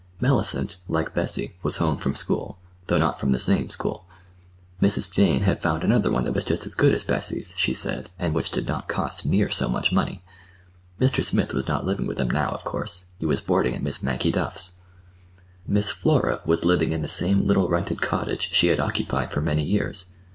Mellicent, like Bessie, was home from school, though not from the same school. Mrs. Jane had found another one that was just as good as Bessie's, she said, and which did not cost near so much money. Mr. Smith was not living with them now, of course. He was boarding at Miss Maggie Duff's. Miss Flora was living in the same little rented cottage she had occupied for many years.